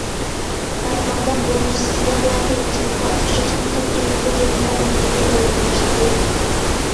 ھەرقانداق ئوڭۇشسىزلىق ۋە قىيىنچىلىققا ئۇچراشتىن قەتئىينەزەر، يەنىلا ئۈزۈلمەي داۋاملاشتى.